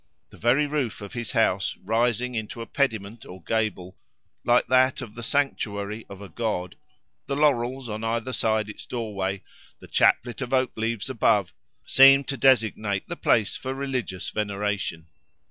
The very roof of his house, rising into a pediment or gable, like that of the sanctuary of a god, the laurels on either side its doorway, the chaplet of oak leaves above, seemed to designate the place for religious veneration.